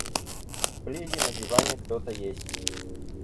В пледе на диване кто-то есть.